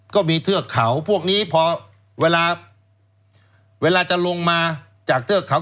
เทือกเขาพวกนี้พอเวลาเวลาจะลงมาจากเทือกเขา